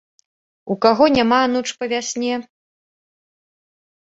У каго няма ануч па вясне?